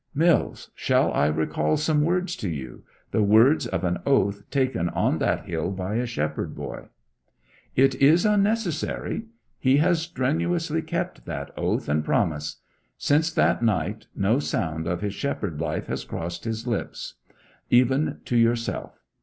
'Mills, shall I recall some words to you the words of an oath taken on that hill by a shepherd boy?' 'It is unnecessary. He has strenuously kept that oath and promise. Since that night no sound of his shepherd life has crossed his lips even to yourself.